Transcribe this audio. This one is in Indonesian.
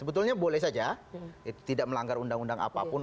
itu saja tidak melanggar undang undang apapun